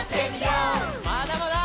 まだまだ！